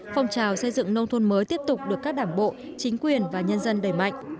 phong trào xây dựng nông thôn mới tiếp tục được các đảng bộ chính quyền và nhân dân đẩy mạnh